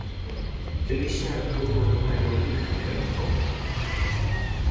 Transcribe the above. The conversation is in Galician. Pelexar por unha medalla olímpica en Toquio.